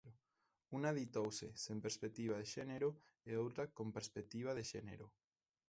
Unha ditouse sen perspectiva de xénero e outra con perspectiva de xénero.